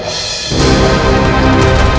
ayo kita yang mencari